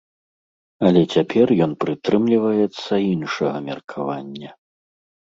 Але цяпер ён прытрымліваецца іншага меркавання.